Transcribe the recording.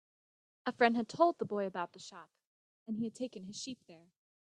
A friend had told the boy about the shop, and he had taken his sheep there.